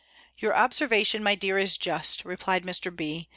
"Your observation, my dear, is just," replied Mr. B.